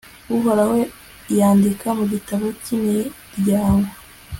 uhoraho yandika mu gitabo cy'imiryango\